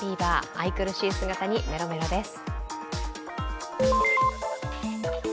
愛くるしい姿にメロメロです。